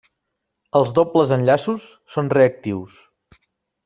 Els dobles enllaços són reactius.